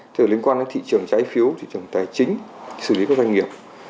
thì liên quan đến thị trường trái phiếu thị trường tài chính xử lý các doanh nghiệp